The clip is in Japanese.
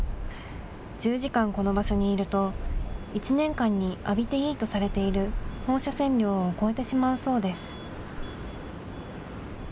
１０時間この場所にいると、１年間に浴びていいとされている放射線量を超えてしまうそうです。